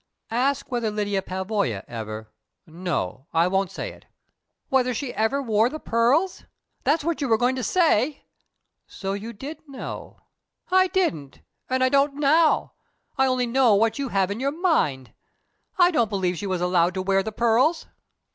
"Ask whether Lyda Pavoya ever no, I won't say it!" "Whether she ever wore the pearls? That's what you were going to say!" "So you did know?" "I didn't. And I don't now. I only know what you have in your mind. I don't believe she was allowed to wear the pearls."